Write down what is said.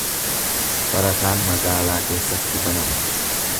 Barataan magaalaa keessatti banama.